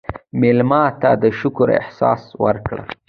مېلمه ته د شکر احساس ورکړه.